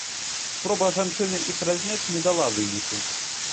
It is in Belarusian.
Спроба жанчыны іх разняць не дала выніку.